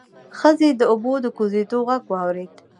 ښځې د اوبو د کوزېدو غږ واورېد.